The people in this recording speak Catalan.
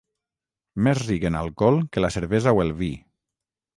Més ric en alcohol que la cervesa o el vi.